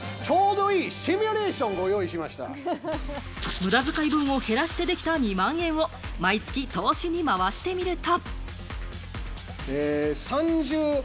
無駄使い分を減らしてできた２万円を毎月投資にまわしてみると。